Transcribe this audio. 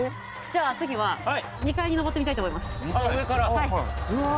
じゃあ次は２階に上ってみたいと思います上からうわ